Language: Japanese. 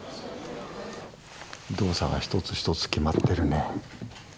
動作が一つ一つきまってるね。